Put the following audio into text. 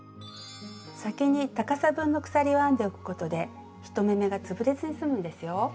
先に高さ分の鎖を編んでおくことで１目めが潰れずに済むんですよ。